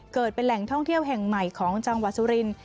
เกิดเป็นแหล่งท่องเที่ยวแห่งใหม่ของจังหวัดสุรินท